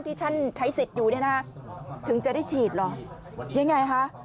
ที่ท่านใช้สิทธิ์อยู่เนี่ยนะถึงจะได้ฉีดเหรอยังไงคะ